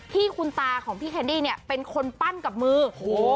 ที่คุณตาของพี่แคนดี้เนี่ยเป็นคนปั้นกับมือโอ้โห